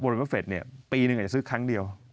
โบราฮิล์ดบัฟเฟตปีหนึ่งอาจจะซื้อครั้งเดียว